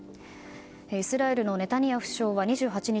イスラエルのネタニヤフ首相は２８日